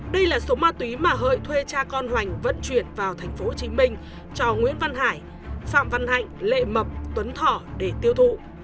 đây là số ma túy mà hợi thuê cha con hoành vận chuyển vào thành phố hồ chí minh cho nguyễn văn hải phạm văn hạnh lệ mập tuấn thỏ để tiêu thụ